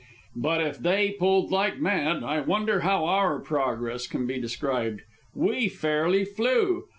But if they pulled like mad, I wonder how our progress can be described? We fairly flew.